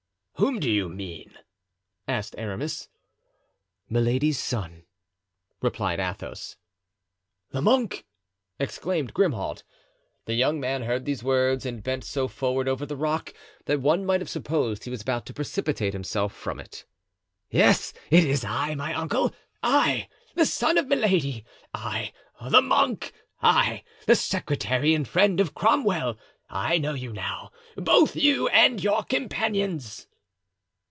"Whom do you mean?" asked Aramis. "Milady's son," replied Athos. "The monk!" exclaimed Grimaud. The young man heard these words and bent so forward over the rock that one might have supposed he was about to precipitate himself from it. "Yes, it is I, my uncle—I, the son of Milady—I, the monk—I, the secretary and friend of Cromwell—I know you now, both you and your companions."